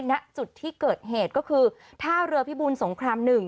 ณจุดที่เกิดเหตุก็คือท่าเรือพิบูลสงคราม๑